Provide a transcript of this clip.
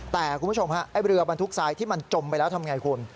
แต่คุณผู้ชมเรือบรรทุกทรายที่มันจมไปแล้วทำอย่างไรคุณ